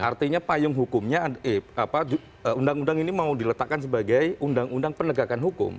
artinya payung hukumnya undang undang ini mau diletakkan sebagai undang undang penegakan hukum